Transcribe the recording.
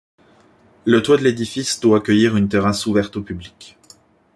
Le toit de l'édifice doit accueillir une terrasse ouverte au public.